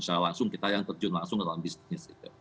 secara langsung kita yang terjun langsung ke dalam bisnis